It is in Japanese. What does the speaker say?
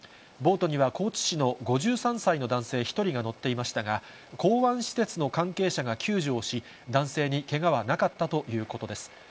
ボートには高知市の５３歳の男性１人が乗っていましたが、港湾施設の関係者が救助をし、男性にけがはなかったということです。